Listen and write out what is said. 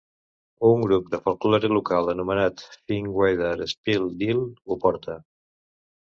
Un grup de folklore local anomenat Finkwarder Speeldeel ho porta.